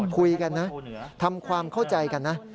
คุยกันนะทำความเข้าใจกันนะ